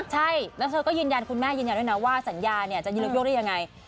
ใช่แล้วเธอก็ยืนยันคุณแม่ยืนยันด้วยนะว่าสัญญาเนี่ยจะยืนยกได้ยังไง